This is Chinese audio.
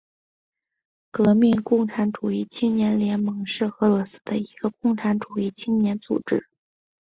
革命共产主义青年联盟是俄罗斯的一个共产主义青年组织。